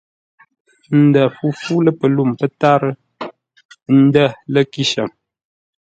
Ə̂ ndə̂ fúfú lə̂ pəlûm pə́tárə́ ə̂ ndə̂ lə̂ kíshəm.